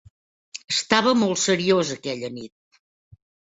Estava molt seriós aquella nit.